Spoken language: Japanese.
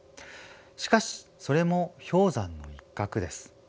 しかしそれも氷山の一角です。